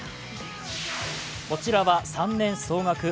こちらは３年総額